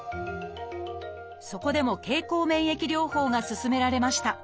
そこでも経口免疫療法が勧められました。